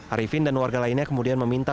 arifin dan warga lainnya kemudian meminta